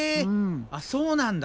あっそうなんだ。